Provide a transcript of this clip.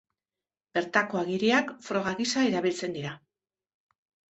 Bertako agiriak froga gisa erabiltzen dira.